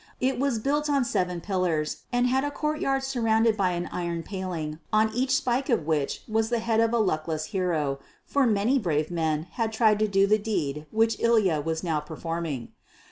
It was built on seven pillars, and had a courtyard surrounded by an iron paling on each spike of which was the head of a luckless hero, for many brave men had tried to do the deed which Ilya was now performing.